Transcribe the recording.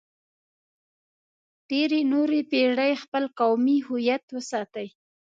ډېرې نورې پېړۍ خپل قومي هویت وساتئ.